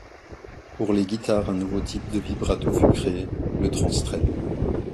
Pour les guitares, un nouveau type de vibrato fut créé, le TransTrem.